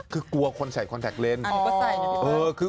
กลัวคนใส่คอนแทคเลนซ์